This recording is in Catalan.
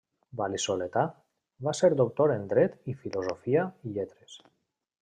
Val·lisoletà, va ser doctor en Dret i Filosofia i Lletres.